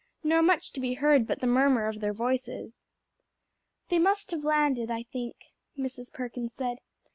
"Nor much to be heard but the murmur of their voices." "They must have landed, I think," Mrs. Perkins said.